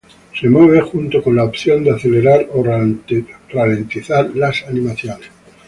Se mueve junto con la opción de acelerar o ralentizar las animaciones.